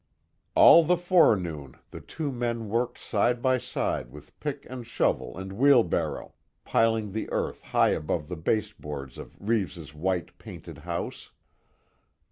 All the forenoon the two men worked side by side with pick and shovel and wheelbarrow, piling the earth high above the baseboards of Reeves' white painted house.